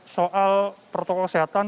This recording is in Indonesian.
soal protokol kesehatan